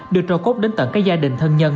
đưa cho cốt đến tận các gia đình thân nhân